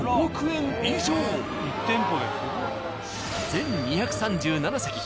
全２３７席。